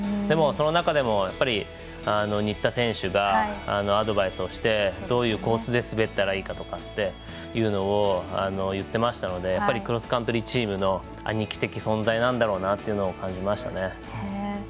でも、その中でも新田選手がアドバイスをしてどういうコースで滑ったらいいかとかいうのをいってましたのでクロスカントリーチームの兄貴的存在なんだろうなというのを感じましたね。